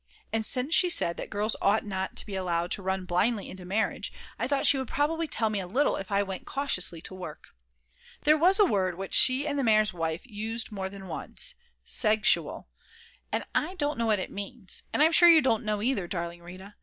And since she said that girls ought not to be allowed to run blindly into marriage, I thought she would probably tell me a little if I went cautiously to work. There was a word which she and the mayor's wife used more than once, segsual and I don't know what it means, and I'm sure you don't know either, darling Rita.